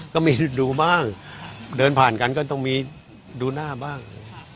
ก็มีดูบ้างเดินผ่านกันก็ต้องมีดูหน้าบ้าง